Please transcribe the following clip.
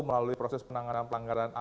melalui proses penanganan pelanggaran